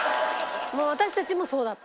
もう私たちもそうだった。